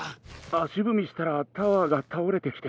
あしぶみしたらタワーがたおれてきて。